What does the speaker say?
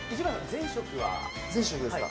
前職ですか？